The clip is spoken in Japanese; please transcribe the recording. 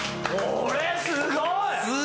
これ、すごい！